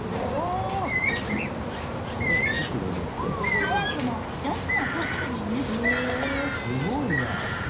早くも女子のトップに抜き去られた！